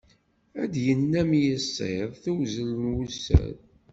Ad yennam yissiḍ tewzel n wussan.